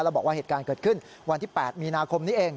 แล้วบอกว่าเหตุการณ์เกิดขึ้นวันที่๘มีนาคมนี้เอง